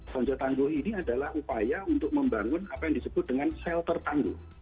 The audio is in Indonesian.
ponjo tangguh ini adalah upaya untuk membangun apa yang disebut dengan shelter tangguh